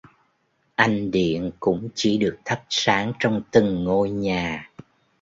Anh điện cũng chỉ được thắp sáng trong từng ngôi nhà